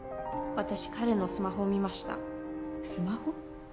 私彼のスマホ見ましたスマホ？